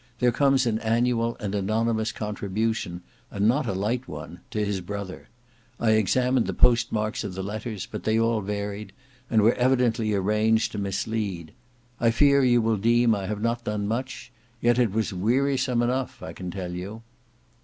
There comes an annual and anonymous contribution, and not a light one, to his brother. I examined the post marks of the letters, but they all varied, and were evidently arranged to mislead. I fear you will deem I have not done much; yet it was wearisome enough I can tell you."